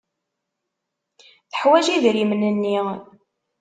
Teḥwaj idrimen-nni.